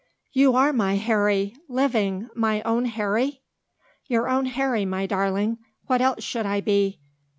"You are my Harry! living! my own Harry?" "Your own Harry, my darling. What else should I be?"